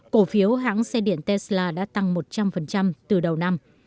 cổ phiếu hãng xe điện tesla đã tăng một trăm linh từ đầu năm